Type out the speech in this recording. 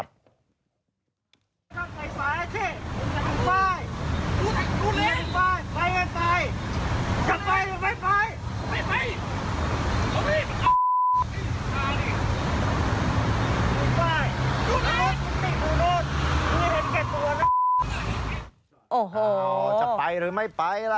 โอ้โหจะไปหรือไม่ไปล่ะ